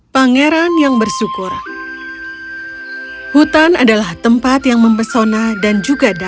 pangeran yang bersyukur